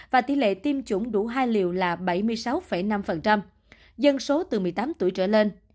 và tỷ lệ tiêm chủng đủ hai liều là bảy mươi sáu năm dân số từ một mươi tám tuổi trở lên